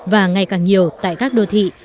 và ngày càng nhiều tại các đô thị